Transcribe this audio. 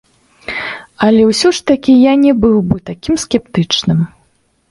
Але ўсё ж такі я не быў бы такім скептычным.